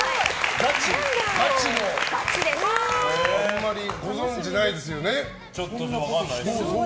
あまりご存じないですよね。